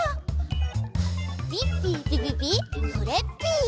ピッピピピピクレッピー！